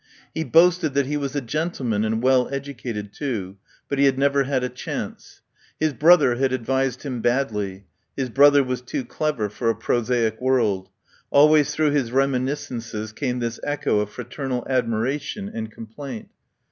He boasted that he was a gentleman and well educated, too, but he had never had a chance. His brother had ad vised him badly; his brother was too clever for a prosaic world; always through his remi niscences came this echo of fraternal admira tion and complaint.